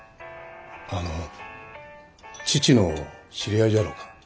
あの父の知り合いじゃろうか。